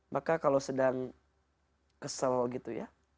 maka kalau sedang kesel gitu ya